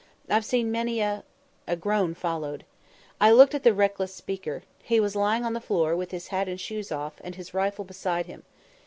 I've seen many a" a groan followed. I looked at the reckless speaker. He was lying on the floor, with his hat and shoes off, and his rifle beside him.